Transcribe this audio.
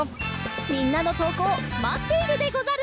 みんなのとうこうまっているでござる！